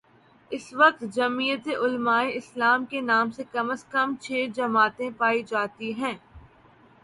اس وقت جمعیت علمائے اسلام کے نام سے کم از کم چھ جماعتیں پائی جا تی ہیں۔